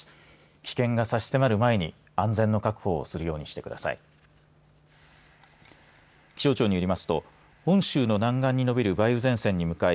危険が差し迫る前に安全の確保をするようにしてください。